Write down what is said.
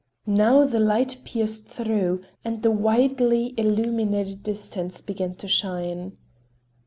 Now the light pierced through and the widely illuminated distance began to shine.